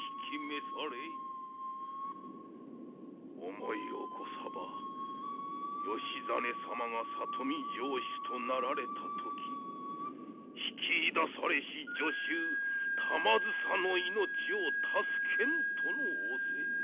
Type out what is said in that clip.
思い起こさば義実様が里見城主となられた時引きいだされし女囚玉梓の命を助けんとの仰せ。